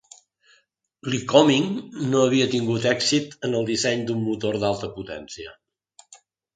Lycoming no havia tingut èxit en el disseny d'un motor d'alta potència.